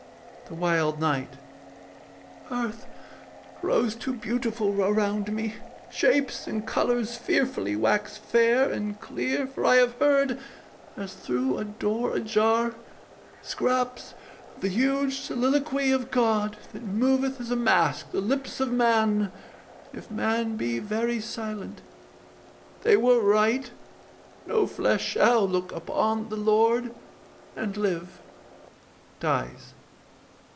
_] THE WILD KNIGHT [faintly]. Earth grows too beautiful around me: shapes And colours fearfully wax fair and clear, For I have heard, as thro' a door ajar, Scraps of the huge soliloquy of God That moveth as a mask the lips of man, If man be very silent: they were right, No flesh shall look upon the Lord and live. [_Dies.